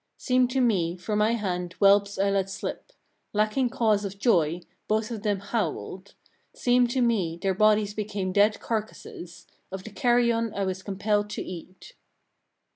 41. "Seemed to me from my hand whelps I let slip; lacking cause of joy, both of them howled: seemed to me their bodies became dead carcases: of the carrion I was compelled to eat."